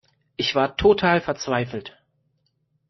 Ich war total verzweifelt.